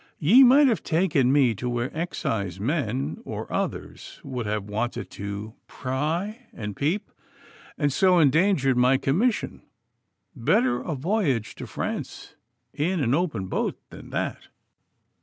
Ye might have taken me to where excisemen or others would have wanted to pry and peep, and so endangered my commission. Better a voyage to France in an open boat than that.